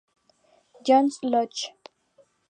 John's Lodge.